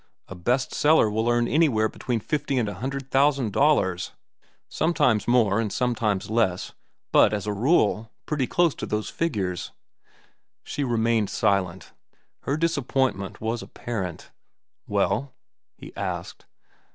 A 'best seller' will earn anywhere between fifty and a hundred thousand dollars—sometimes more and sometimes less; but, as a rule, pretty close to those figures." She remained silent; her disappointment was apparent. "Well?" he asked.